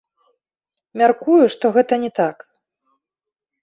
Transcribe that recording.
Мяркую, што гэта не так.